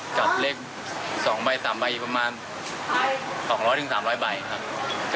กับเลขสองใบสามใบประมาณสองร้อยถึงสามร้อยใบครับ